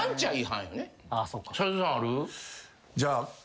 じゃあ。